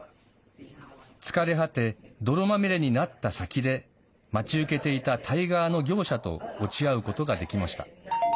疲れ果て、泥まみれになった先で待ち受けていたタイ側の業者と落ち合うことができました。